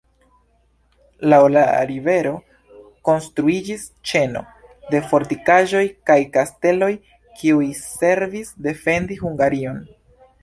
Laŭ la rivero konstruiĝis ĉeno de fortikaĵoj kaj kasteloj, kiuj servis defendi Hungarion.